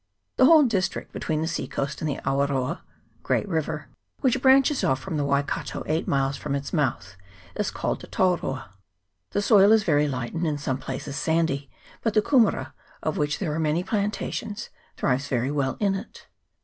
The whole district between the sea coast and the Awaroa (great river), which branches off from the Waikato eight miles from its mouth, is called Tauroa. The soil is very light, and in some places sandy, but the kumera, of which there are many plantations, thrives very well in it.